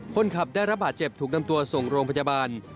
คนขับได้รับบาดเจ็บถูกนำตัวส่งโรงพยาบาล